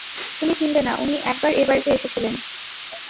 তুমি চিনবে না, উনি এক বার এ-বাড়িতে এসেছিলেন।